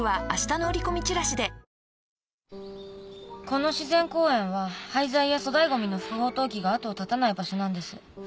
この自然公園は廃材や粗大ゴミの不法投棄が後を絶たない場所なんです。